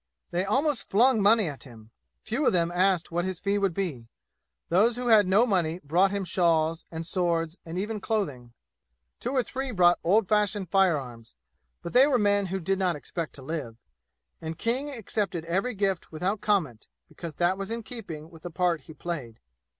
They almost flung money at him. Few of them asked what his fee would be. Those who had no money brought him shawls, and swords, and even clothing. Two or three brought old fashioned fire arms; but they were men who did not expect to live. And King accepted every gift without comment, because that was in keeping with the part he played.